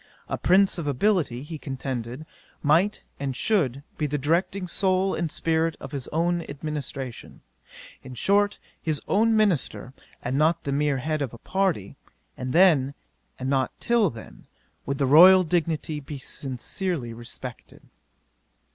A prince of ability, he contended, might and should be the directing soul and spirit of his own administration; in short, his own minister, and not the mere head of a party: and then, and not till then, would the royal dignity be sincerely respected.